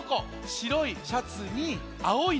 しろいシャツにあおい